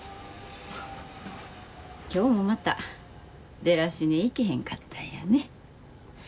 今日もまたデラシネ行けへんかったんやね。